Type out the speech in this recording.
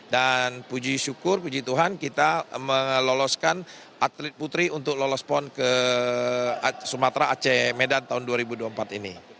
puji syukur puji tuhan kita meloloskan atlet putri untuk lolos pon ke sumatera aceh medan tahun dua ribu dua puluh empat ini